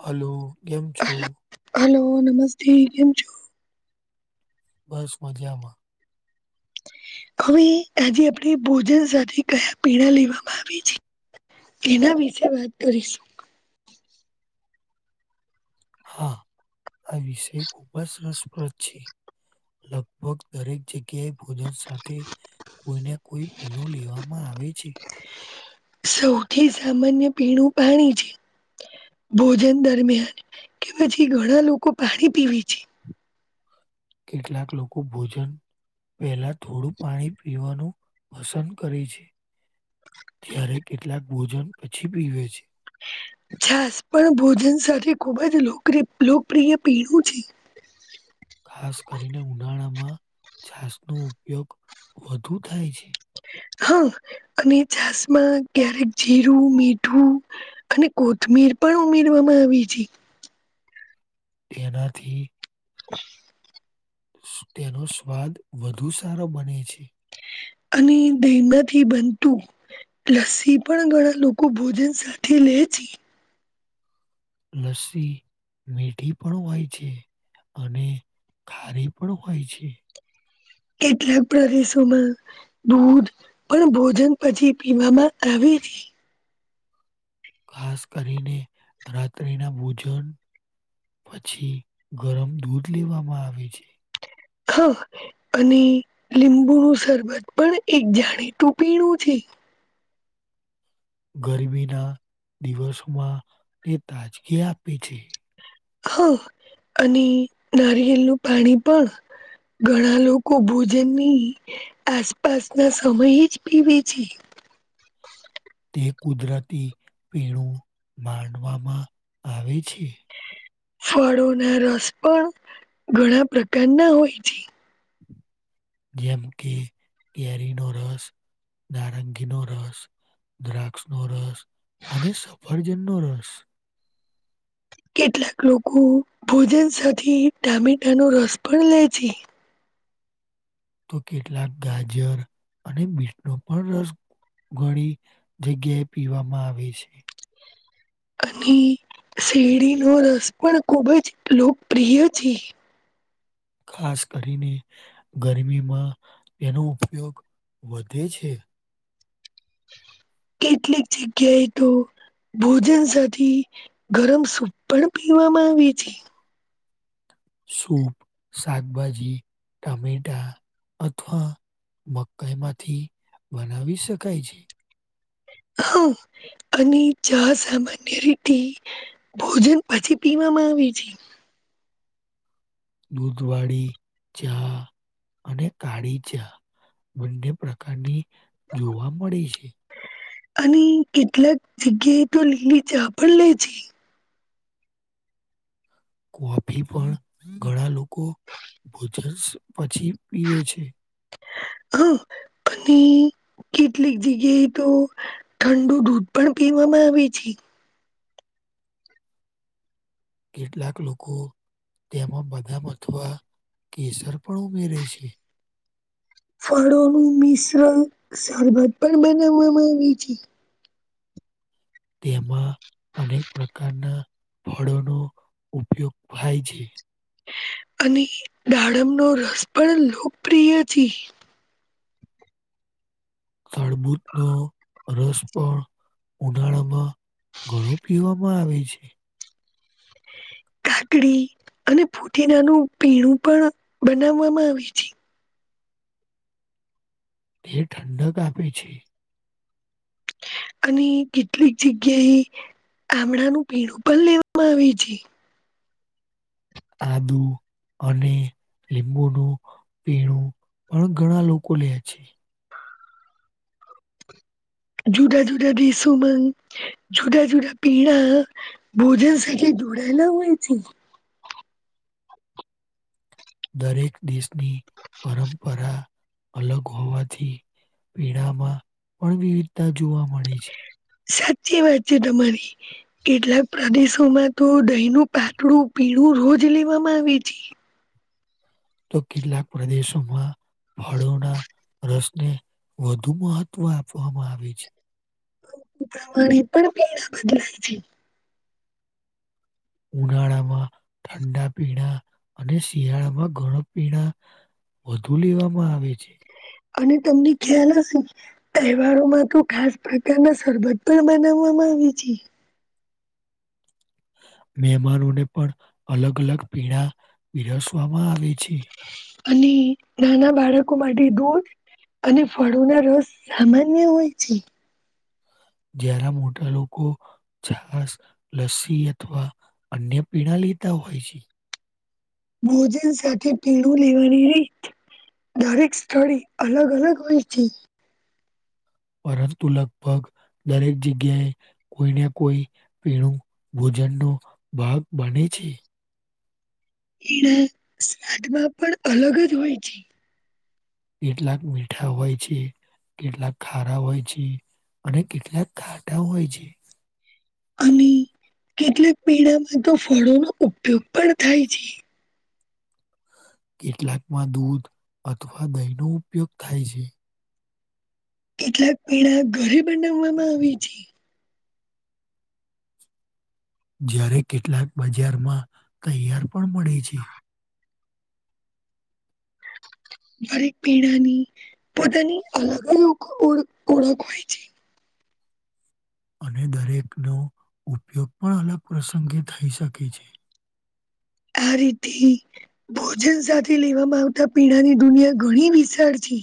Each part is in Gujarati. હલો કેમ છો? હલો, નમસ્તે. કેમ છો? બસ મજામાં. હવે આજે આપણે ભોજન સાથે કયા પીણા લેવામાં આવી છે? તેના વિશે વાત કરીશું. હા, આ વિષય ખુબ જ રસપ્રદ છે. લગભગ દરેક જગ્યાએ ભોજન સાથે. કોઈને કોઈ ભીણું લેવામાં આવે છે. સૌથી સામાન્ય પીણું પાણી છે. ભોજન દરમિયાન કે પછી ઘણા લોકો પાણી પીવે છે. કેટલાક લોકો ભોજન. પહેલા થોડું પાણી પીવાનું પસંદ કરે છે. જ્યારે કેટલાક ભોજન પછી પીવે છે. છાસ પણ ભોજન સાથે ખૂબ જ લોકપ્રિય પીણું છે. ખાસ કરીને ઉનાળામાં છાસ નો ઉપયોગ વધુ થાય છે. હા, અને છાસ માં ક્યારેક જીરું, મીઠું, અને કોથમીર મીર પણ ઉમેરવામાં આવી છે. એનાથી [inaudible] તેનો સ્વાદ વધુ સારો બને છે. અને ડીંડાથી બનતું લસ્સી પણ ઘણા લોકો ભોજન સાથે લે છે. લસ્સી મીઠી પણ હોય છે. અને ખારી પણ હોય છે. કેટલાક પ્રદેશોમાં દૂધ પણ ભોજન પછી પીવામાં આવે. [unintelligible] ખાસ કરીને રાત્રિના ભોજન પછી ગરમ દૂધ લેવામાં આવે છે. હા અને લીંબુ નું શરબત પણ એક જાણીતું પીણું છે [inaudible] ગરમીના દિવસોમાં ને તાજગી આપે છે. હા, અને નારિયેલ નું પાણી પણ ઘણા લોકો ભોજનની આસપાસના સમય જ પીવે છે. [unintelligible] એ કુદરતી પીણું માનવામાં આવે છે. ફળોના રસ પણ ઘણા પ્રકારના હોય છે. જેમ કે કેરીનો રસ, નારંગીનો રસ દ્રાક્ષ નો રસ અને સફરજનનો રસ કેટલાક લોકો ભોજન સાથે ટામેટાનો રસ પણ લે છે. તો કેટલાક ગાજર અને બીટનો પણ રસ ઘણી જગ્યાએ પીવામાં આવે છે. અને શેરડીનો રસ પણ ખુબ જ લોકપ્રિય છે. ખાસ કરીને ગરમીમાં તેનો ઉપયોગ વધે છે. કેટલીક જગ્યાએ તો ભોજન સાથી ગરમ સૂપ પણ પીવામાં આવે છે. સૂપ શાકભાજી ટમેટા અથવા મકઈમાંથી બનાવી શકાય છે. હા અને ચા સામાન્ય રીતે ભોજન પછી પીવામાં આવે છે. દૂધવાળી ચા અને કાળી ચા બંને પ્રકારની જોવા મળે છે. અને કેટલાક જગ્યાએ તો લીલી ચા પણ લે છે. કોફી પણ ઘણા લોકો ભોજન સ પછી પીવે છે. હમ પન ઈ કેટલીક જગ્યાએ તો ઠંડુ દૂધ પણ પીવામાં આવે છે. કેટલાક લોકો તેમાં બદામ અથવા કેસર પણ ઉમેરે છે. ફળોનું મિશ્રણ સરબત પણ બનાવવામાં આવે છે. તેમાં અનેક પ્રકારના ફળોનો ઉપયોગ થાય છે અને દાડમનો રસ પણ લોકપ્રિય છે તડભુચ નો રસ પણ ઉનાળામાં ઘણું પીવામાં આવે છે. કાકડી અને ફુદીનાનું પીણું પણ બનાવવામાં આવે છે એ ઠંડક આપે છે. અને કેટલીક જગ્યાએ ગામડાનું પીણું પણ લેવામાં આવે છે આદ અને લીંબુનું પીણું પણ ઘણા લોકો લે છે જુદા જુદા દેશોમાં જુદા જુદા પીણા ભોજન સાથે રોડાલા હોય છે દરેક દેશની પરંપરા અલગ હોવાથી પીણામાં પણ વિવિધતા જોવા મળી છે સાચી વાત છે તમારી કેટલાક પ્રદેશોમાં તો દહી ન પાતળું પી હું રોજ લેવામાં આવી છ તો કેટલાક પ્રદેશોમાં ફાળોના રસને વધુ મહત્ત્વ આપવામાં આવે છે ુ પ્રમાણે પણ પે વધધરા છે ઉનાળામાં ઠંડા પીણા અને શિયાળામાં ઘણમ પીણા વધુ લેવામાં આવે છે અને તમને ખ્યાલ હશે તહેવારોમાં તો ખાસ પ્રકારના સરબત પણ બનાવવામ આવી છે. [inaudible] મહેમાનોને પણ અલગ અલગ પીણા પીરસવામાં આવે છે. અને નાના બાળકો માટે દૂધ અને ફળો ના રસ સામાન્ય હોય છે જ્યારે મોટા લોકો છાસ લસ્સી અથવા અન્ય પીણા લ હોય છે ભોજન સાથે પીણું લેવાની રી દરેક સ્થળ અલગ અલગ હોય છે પરંતુ લગભગ દરેક જગ્યાએ કોઈને કોઈ પીણું ભોજનનોો ભાગ બને છે એને સ્વાદમાં પણ અલગ જ હોય છે કેટલાક મીઠા હોય છે કેટલા ખારા હોય છે અને કેટલાક ખાટા હોય છે અને કેટલાક પેડામાં તો ફળોનો ઉપયોગ પણ થાય છે કેટલાકમાં દૂધ અથવા દહીનો ઉપયોગ થાય છે કેટલાક પીણા ઘરે બનાવવામાં આવી છે જ્યારે કેટલાક બજારમાં તૈયાર પણ મળે છે દરેક પીણાની પોતાની અલગ અલગ ઓળખ હોય છે અને દરેકનો ઉપયોગ પણ અલગ પ્રસંગે થઈ શકે છે આ રીતે ભોજન સાથે લેવામાં આવતા પીણાની દુનિયા ઘણી વિશાળ પી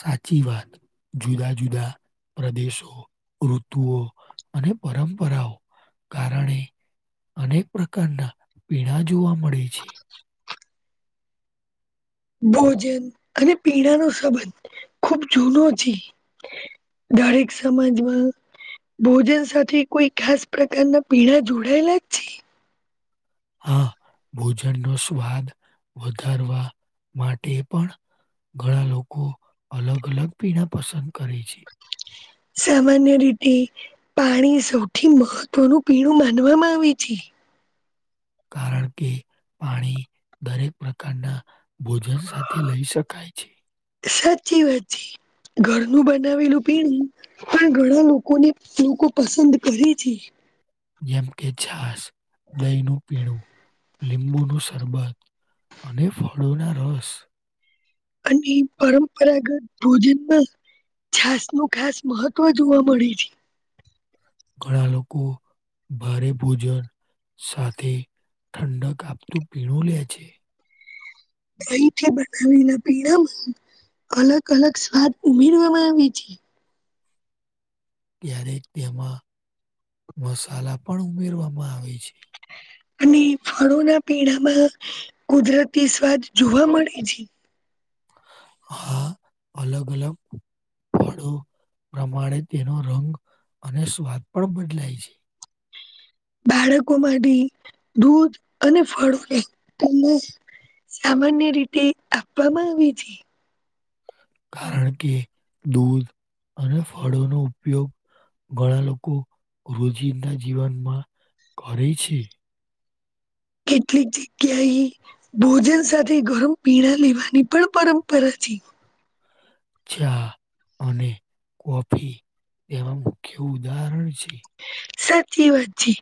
સાચી વાત જુદા જુદા પ્રદેશો ઋતુઓ અને પરંપરાઓ કારણે અનેક પ્રકારના પીણા જોવા મળે છે ભોજન અને પીણા ન સંબંધ ખુબ જૂનો છે દરેક સમાજમાં ભોજન સાથે કોઈ ખાસ પ્રકારના પીણા જોડાયેલા છે હા ભોજનનો સ્વાદ વધારવા માટે પણ ઘણા લોકો અલગ અલગ પીણા પસંદ કરે છે સામાન્ય રીતે પાણી સૌથી મહત્વનું પીણું માનવામાં આવે છે. કારણ કે પાણી દરેક પ્રકારના ભોજન સાથે લઈ શકાય છે સાચી વાત છે ઘરનું બનાવેલું પીણું પણ ઘણા લોકોને લોકો પસંદ કરે છે જેમ કે છાસ દહીનું પીણું લીંબુ નું સરબત અને ફળોના રસ અને પરંપરાગત ભોજનમાં છાસ નું ખાસ મહત્વ જોવા મળે છે ઘણા લોકો ભારે ભોજન સાથે ઠંડક આપતું પીણું લે છે દહી થી બનાવેલા પીણાં માં અલગ અલગ સ્વાદ ઉમેરવામાં આવે છે ત્યારેક તેમાં મસાલા પણ ઉમેરવામાં આવે છે અને ફળોના પીણામાં કુદરતી સ્વાદ જોવા મળે છે હા અલગ અલગ ફળો પ્રમાણે તેનો રંગ અને સ્વાદ પણ બદલાય છે બાળકોમાંથી દૂધ અને ફળોને સામાન્ય રીતે આપવામાં આવી છે કારણ કે દૂધ અને ફળોનો ઉપયોગ ઘણા લોકો રોજિંદ જીવનમાં કરે છે કેટલીક જગ્યા એ ભોજન સાથે ગરમ પીણા લેવાની પણ પરંપરા છે ચા અને કોફી તેમાં મુખ્ય ઉદાહરણ છે. સાચી વાત છે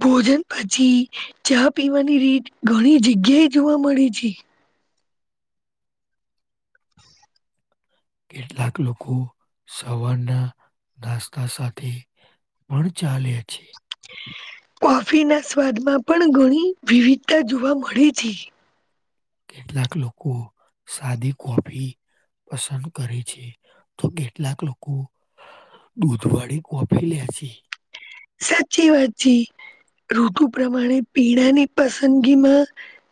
ભોજન પછી ચા પીવાની રીત ઘણી જગ્યા એ જોવા મળી છે કેટલાક લોકો સવારના નાસ્તા સાથે પણ ચાલે છે [unintelligible] કોફીના સ્વાદમાં પણ ઘણી વિવિધતા જોવા મળે છે કેટલાક લોકો સાદી કોફી પસંદ કરે છે તો કેટલાક લોકો દૂધવાળી કોફી લે છે સાચી વાત છે‌. ઋતુ પ્રમાણે પીણાની પસંદગીમાં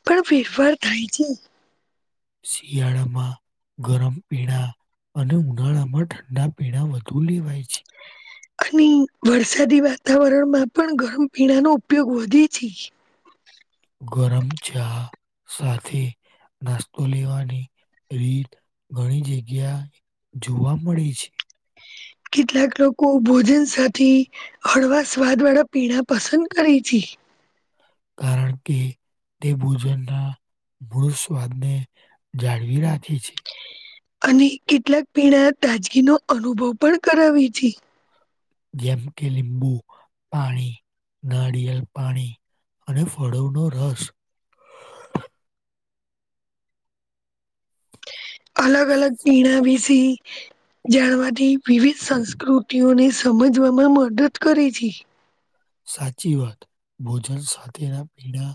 પણ ફેરફાર થાય છે શિયાળમાં ગરમ પીણા અને ઉનાળામાં ઠંડા પીણા વધુ લેવાય છે અને વરસાદી વાતાવરણમાં પણ ગરમ પીણા નો ઉપયોગ વધે છે. [unintelligible] ગરમ ચા સાથે નાસ્તો લેવાની રીત ઘણી જગ્યા જોવા મળે છે કેટલાક લોકો ભોજન સાથે હળવા સ્વાદ વાળા પીણા પસંદ કરે છે. [unintelligible] કારણ કે તે ભોજનના મૂળ સ્વાદને જાળવી રાખે છે. અને કેટલાક પીણા તાજગીનો અનુભવ પણ કરાવે છે. જેમ કે લીંબુ પાણી નારિયેલેપાણી અને ફળોનો રસ અલગ અલગ પીણા વિશે જાણવાથી વિવિધ સંસ્કૃતિઓની સમજવામાં મદદ કરે છે. સાચી વાત ભોજન સાથેના પીણા-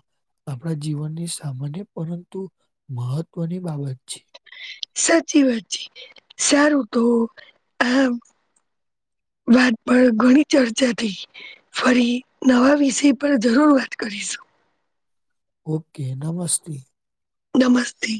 આપણા જીવનની સામાન્ય પરંતુ મહત્વની બાબત છે. સાચી વાત છે સારું તો આમ વાત પર ઘણી ચર્ચા થઈ ફરી નવા વિષય પર જરૂર વાત કરીશું. ઓકે નમસ્તે. નમસ્તે.